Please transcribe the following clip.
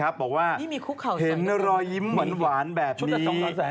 บอกว่าเห็นรอยยิ้มหวานแบบนี้